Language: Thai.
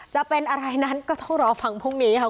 จะเป็นอะไรนั้นก็ต้องรอฟังพรุ่งนี้ค่ะ